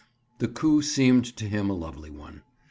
The coup seemed to him a lovely one.